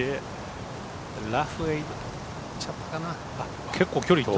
ラフへ行っちゃったかな。